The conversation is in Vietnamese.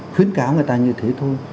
khuyến cáo người ta như thế thôi